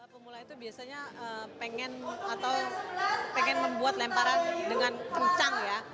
pemula itu biasanya pengen membuat lemparan dengan kencang ya